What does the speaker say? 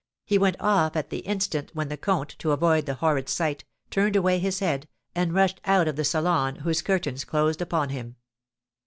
It went off at the instant when the comte, to avoid the horrid sight, turned away his head, and rushed out of the salon, whose curtains closed upon him.